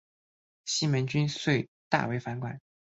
西门君遂大为反感。